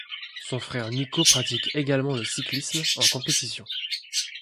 Son frère Niko pratique également le cyclisme en compétition.